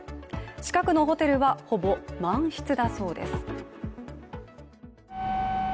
近くのホテルは、ほぼ満室だそうです。